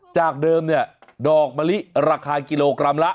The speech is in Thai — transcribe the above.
จากเดิมเนี่ยดอกมะลิราคากิโลกรัมละ